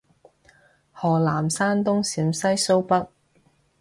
河南山東陝西蘇北